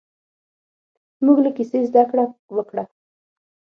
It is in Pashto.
موږ له کیسې زده کړه وکړه.